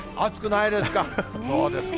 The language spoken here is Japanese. そうですか。